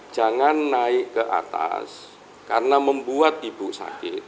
jangan naik ke atas karena membuat ibu sakit